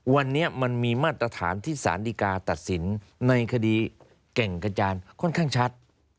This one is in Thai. วันนี้มันมีมาตรฐานที่สารดีกาตัดสินในคดีแก่งกระจานค่อนข้างชัด